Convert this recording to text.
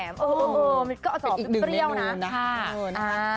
เออมันก็อสอบเป็นเปรี้ยวนะ